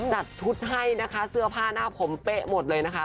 จัดชุดให้นะคะเสื้อผ้าหน้าผมเป๊ะหมดเลยนะคะ